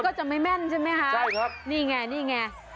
ก็จะไม่แม่นใช่ไหมคะนี่ไงนะใช่ครับ